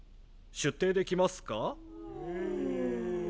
出廷できますか？